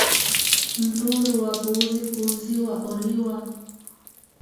Ntuulu wa Puuzi, khuuziwa oriwa.